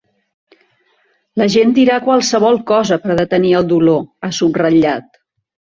La gent dirà qualsevol cosa per detenir el dolor, ha subratllat.